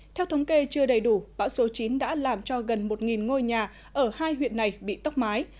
theo thống kê chưa đầy đủ bão số chín đã làm cho gần một ngôi nhà ở hai huyện này bị tốc mái